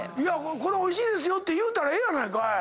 これおいしいですよって言うたらええやないかい。